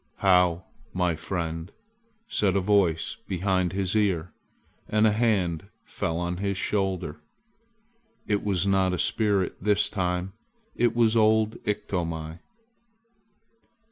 "How, my friend!" said a voice behind his ear, and a hand fell on his shoulder. It was not a spirit this time. It was old Iktomi.